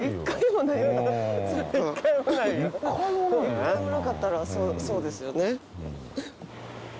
１回もなかったらそうですよね。